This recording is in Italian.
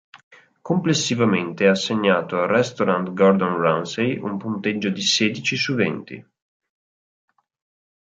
Complessivamente ha assegnato al Restaurant Gordon Ramsay un punteggio di sedici su venti.